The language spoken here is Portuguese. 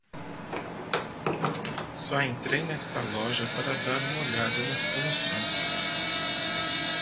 Só entrei nesta loja para dar uma olhada nas promoções.